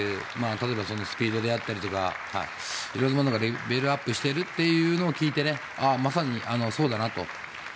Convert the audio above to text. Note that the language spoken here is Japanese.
例えばスピードであったりいろんなものがレベルアップしてるというのを聞いてまさにそうだなと。